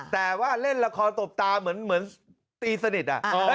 แต่ว่าเล่นละครตบตาเหมือนตีสนิท